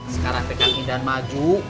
sekarang kita idan maju